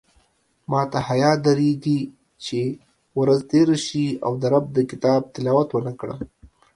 ماته حیاء درېږې چې ورځ تېره شي او د رب د کتاب تلاوت ونکړم